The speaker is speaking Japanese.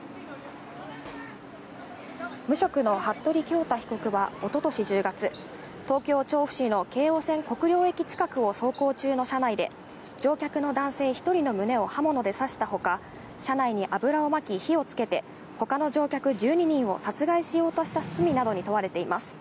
無職の服部恭太被告はおととし１０月、東京・調布市の京王線・国領駅近くを走行中の車内で、乗客の男性１人の胸を刃物で刺した他、車内に油をまき、火をつけて、他の乗客１２人を殺害しようとした罪などに問われています。